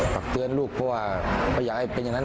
ปรับเตือนลูกพ่อไม่อยากให้เป็นอย่างนั้น